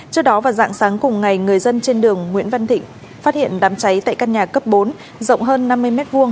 trước đó vào dạng sáng cùng ngày người dân trên đường nguyễn văn thịnh phát hiện đám cháy tại căn nhà cấp bốn rộng hơn năm mươi m hai